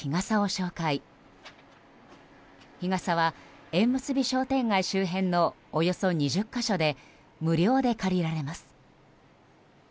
商店街周辺のおよそ２０か所で無料で借りられます。